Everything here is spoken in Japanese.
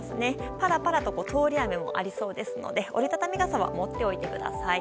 ぱらぱらと通り雨もありそうですので、折り畳み傘は持っておいてください。